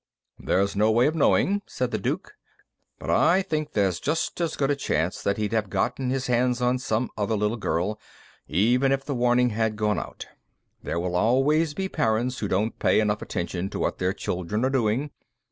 "There's no way of knowing," said the Duke, "But I think there's just as good a chance that he'd have gotten his hands on some other little girl, even if the warning had gone out. There will always be parents who don't pay enough attention to what their children are doing.